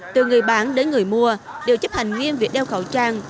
từ người bán đến người mua đều chấp hành nghiêm việc đeo khẩu trang